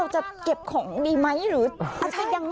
จะเก็บของดีมั้ย